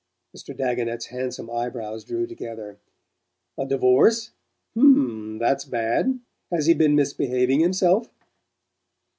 Mr. Dagonet's handsome eye brows drew together. "A divorce? H'm that's bad. Has he been misbehaving himself?"